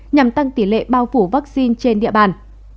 nhằm tăng tỷ lệ bao phủ vaccine trên địa bàn